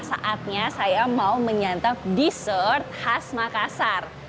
saatnya saya mau menyantap dessert khas makassar